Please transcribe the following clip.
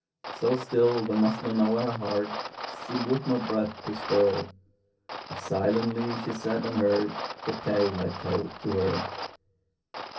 So still, the muslin o'er her heart Seemed with no breath to stir, As silently she sat and heard The tale I told to her.